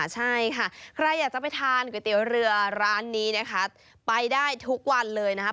ใช่ค่ะใครอยากจะไปทานก๋วยเตี๋ยวเรือร้านนี้นะคะไปได้ทุกวันเลยนะครับ